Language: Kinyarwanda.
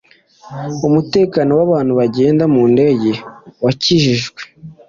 umutekano wabantu bagenda mu ndege wakajijwe